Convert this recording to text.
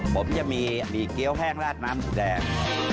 ผมจะมีมีเกี้ยวแห้งราดน้ำแสง